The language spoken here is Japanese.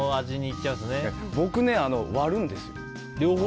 僕は割るんですよ。